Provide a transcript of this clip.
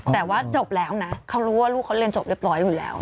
แต่ว่าจบแล้วนะเขารู้ว่าลูกเขาเรียนจบเรียบร้อยอยู่แล้ว